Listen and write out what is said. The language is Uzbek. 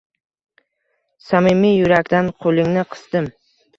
Samimiy yurakdan qo’lingni qisdim.